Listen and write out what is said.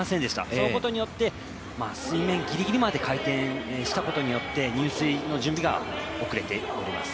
そのことによって、水面ギリギリまで回転したことによって入水の準備が遅れております。